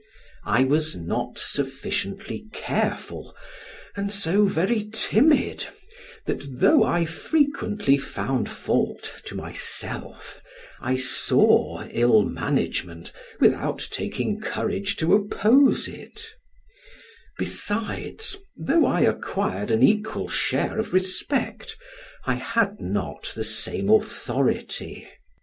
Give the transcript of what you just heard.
I was not sufficiently careful, and so very timid, that though I frequently found fault to myself, I saw ill management without taking courage to oppose it; besides, though I acquired an equal share of respect, I had not the same authority.